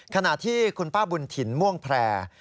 ขณะที่คุณป้าบุญถิ่นม่วงแพร่